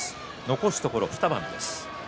残すところは２番です。